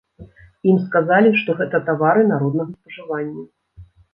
Ім сказалі, што гэта тавары народнага спажывання.